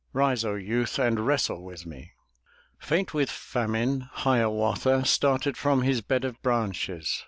Rise, O youth, and wrestle with me!" Faint with famine, Hiawatha Started from his bed of branches.